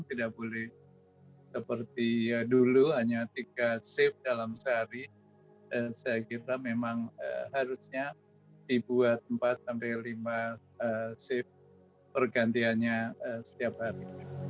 tidak boleh seperti dulu hanya tiga shift dalam sehari saya kira memang harusnya dibuat empat sampai lima shift pergantiannya setiap hari